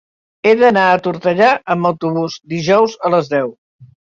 He d'anar a Tortellà amb autobús dijous a les deu.